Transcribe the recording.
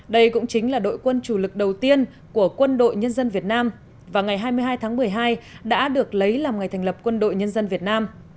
đây cũng chính là đội quân chủ lực đầu tiên của quân đội nhân dân việt nam và ngày hai mươi hai tháng một mươi hai đã được lấy làm ngày thành lập quân đội nhân dân việt nam